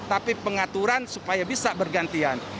tapi pengaturan supaya bisa bergantian